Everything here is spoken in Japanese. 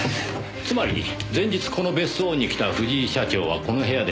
つまり前日この別荘に来た藤井社長はこの部屋で何かを落とした。